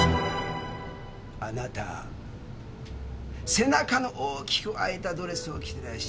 あなた背中の大きく開いたドレスを着てらっしゃった。